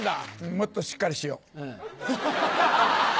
もっとしっかりしよう。